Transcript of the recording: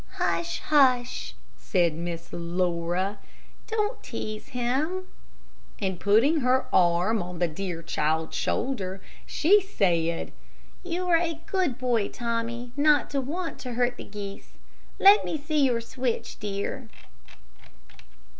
"Hush, hush," said Miss Laura; "don't tease him," and putting her arm on the child's shoulder, she said, "You are a good boy, Tommy, not to want to hurt the geese. Let me see your switch, dear."